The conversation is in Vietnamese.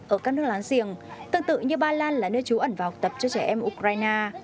ở các nước láng giềng tương tự như ba lan là nơi trú ẩn và học tập cho trẻ em ukraine